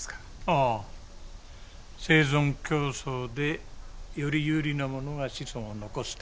ああ生存競争でより有利なものが子孫を残すってやつですね。